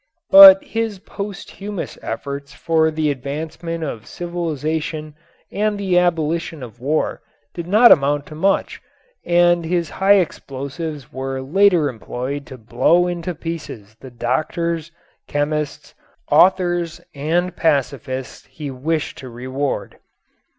But his posthumous efforts for the advancement of civilization and the abolition of war did not amount to much and his high explosives were later employed to blow into pieces the doctors, chemists, authors and pacifists he wished to reward.